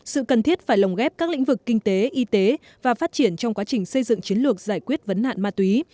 sự cần thiết phải lồng ghép các lĩnh vực kinh tế y tế và phát triển trong quá trình xây dựng chiến lược giải quyết vấn nạn ma túy